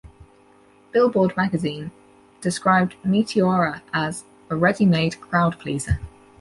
"Billboard Magazine" described "Meteora" as "a ready-made crowdpleaser".